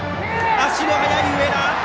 足の速い上田！